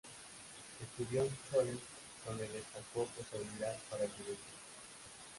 Estudió en Cholet donde destacó por su habilidad para el dibujo.